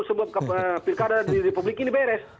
pemilu di republik ini beres